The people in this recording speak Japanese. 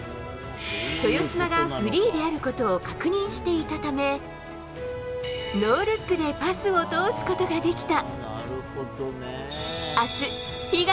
豊島がフリーであることを確認していたためノールックでパスを通すことができた。